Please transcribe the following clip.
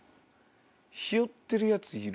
「ひよってるやついる？」